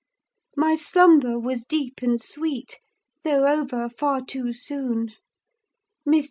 My slumber was deep and sweet, though over far too soon. Mr.